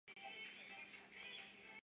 堪察加彼得巴夫洛夫斯克。